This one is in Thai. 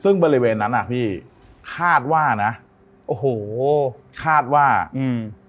ซึ่งบริเวณนั้นอ่ะพี่คาดว่านะโอ้โหคาดว่าอืม